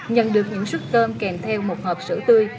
nhận được những xuất cơm kèm theo một hộp sữa tươi